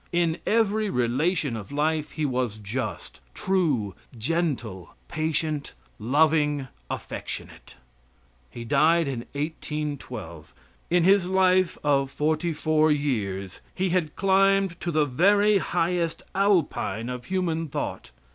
In every relation of life he was just, true, gentle, patient, loving, affectionate. He died in 1812. In his life of forty four years he had climbed to the very highest alpine of human thought.